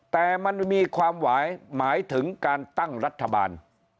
แต่มันมีความหมายหมายถึงการตั้งรัฐบาล